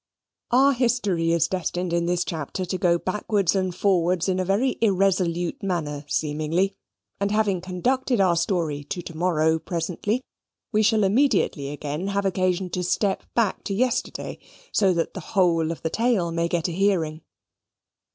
Our history is destined in this chapter to go backwards and forwards in a very irresolute manner seemingly, and having conducted our story to to morrow presently, we shall immediately again have occasion to step back to yesterday, so that the whole of the tale may get a hearing.